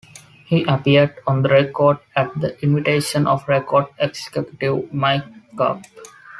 He appeared on the record at the invitation of record executive Mike Curb.